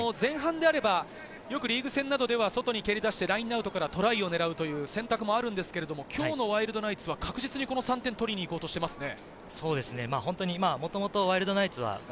前半であれば、リーグ戦などでは外に蹴り出してラインアウトからトライを狙う選択もあるんですけど、今日のワイルドナイツは確実に３点を取りに行こうとしていますね。